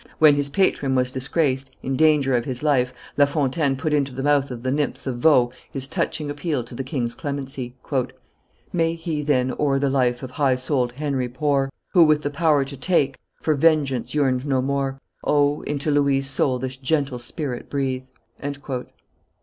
When his patron was disgraced, in danger of his life, La Fontaine put into the mouth of the nymphs of Vaux his touching appeal to the king's clemency: "May he, then, o'er the life of high souled Henry pore, Who, with the power to take, for vengeance yearned no more O, into Louis' soul this gentle spirit breathe."